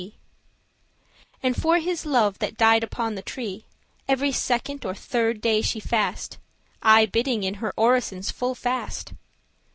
*unblemished And, for his love that died upon the tree, Every second or third day she fast', Aye bidding* in her orisons full fast.